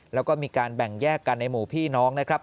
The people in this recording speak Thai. แล้วก็มีการแบ่งแยกกันในหมู่พี่น้องนะครับ